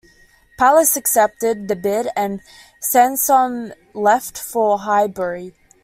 Palace accepted the bid and Sansom left for Highbury.